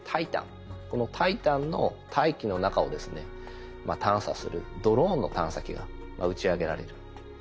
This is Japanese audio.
このタイタンの大気の中を探査するドローンの探査機が打ち上げられる。